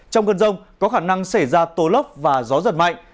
trong cơn rông có khả năng xảy ra tố lốc và gió giật mạnh